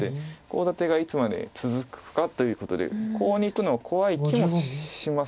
コウ立てがいつまで続くかということでコウにいくのは怖い気もしますけれども。